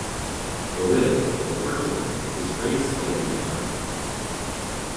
The lid (operculum) is raised slightly conically.